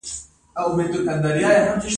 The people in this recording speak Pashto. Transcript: د یووالي په برکت.